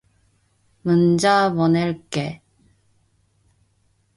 문자 보낼게.